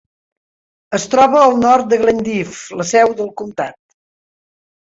Es troba al nord de Glendive, la seu del comtat.